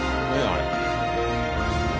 あれ。